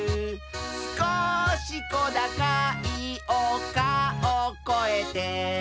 「すこしこだかいおかをこえて」